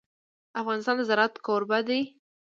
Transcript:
افغانستان د زراعت کوربه دی.